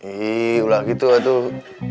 ihh udah gitu tuh